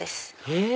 へぇ！